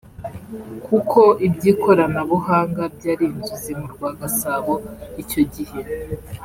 kuko iby’ikoranabuhanga byari inzozi mu rwa Gasabo muri icyo gihe